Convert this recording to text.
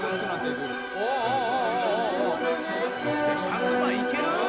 １００枚いける？